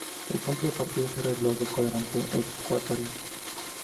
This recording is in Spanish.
El punto de partida es el reloj de cuadrante ecuatorial.